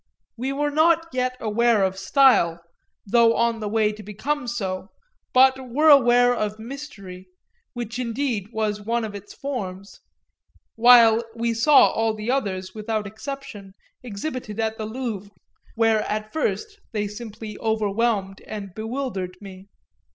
We were not yet aware of style, though on the way to become so, but were aware of mystery, which indeed was one of its forms while we saw all the others, without exception, exhibited at the Louvre, where at first they simply overwhelmed and bewildered me.